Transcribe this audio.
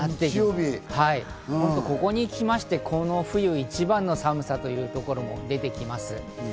ここに来まして、この冬一番の寒さというところも出てきます。